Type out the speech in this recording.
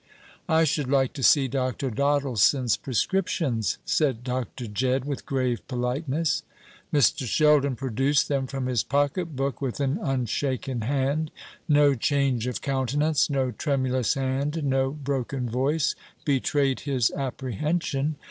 "I should like to see Dr. Doddleson's prescriptions," said Dr. Jedd, with grave politeness. Mr. Sheldon produced them from his pocket book with an unshaken hand. No change of countenance, no tremulous hand, no broken voice, betrayed his apprehension.